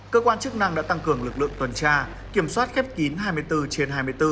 cơ quan chức năng đã tăng cường lực lượng tuần tra kiểm soát khép kín hai mươi bốn trên hai mươi bốn